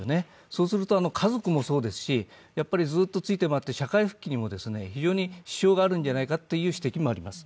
そうすると家族もそうですしずっとついて回って社会復帰にも非常に支障があるんじゃないかという指摘もあります。